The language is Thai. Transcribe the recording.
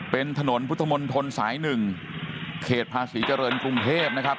เป็นถนนพุทธมนต์ทนสายหนึ่งเขตพระศรีเจริญกรุงเทพนะครับ